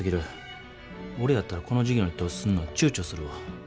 俺やったらこの事業に投資すんのちゅうちょするわ。